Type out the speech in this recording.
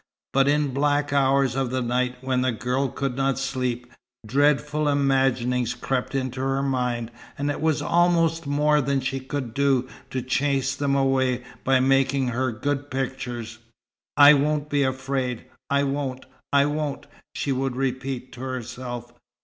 But in black hours of the night, when the girl could not sleep, dreadful imaginings crept into her mind, and it was almost more than she could do to chase them away by making her "good pictures." "I won't be afraid I won't, I won't!" she would repeat to herself.